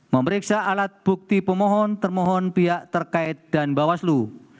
memeriksa alat bukti pemohon termohon pihak terkait dan bawaslu